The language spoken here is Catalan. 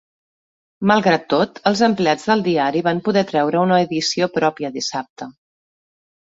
Malgrat tot els empleats del diari van poder treure una edició pròpia dissabte.